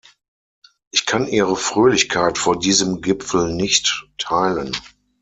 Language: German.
Ich kann Ihre Fröhlichkeit vor diesem Gipfel nicht teilen.